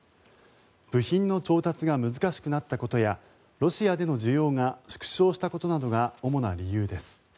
部品の調達が難しくなったことやロシアでの需要が縮小したことなどが主な理由です。